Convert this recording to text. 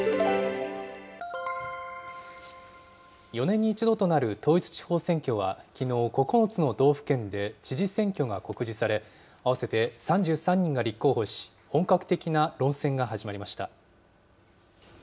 ４年に一度となる統一地方選挙はきのう、９つの道府県で知事選挙が告示され、合わせて３３人が立候補し、本格的な論戦が始まりました。